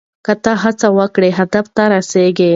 که ته هڅه وکړې هدف ته رسیږې.